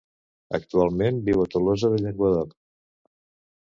Actualment viu a Tolosa de Llenguadoc.